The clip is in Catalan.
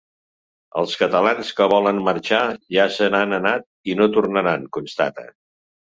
Els catalans que volen marxar ja se n’han anat i no tornaran, constata.